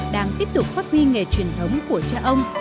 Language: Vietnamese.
đang tiếp tục phát huy nghề truyền thống của cha ông